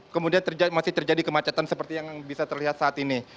kemudian masih terjadi kemacetan seperti yang bisa terlihat saat ini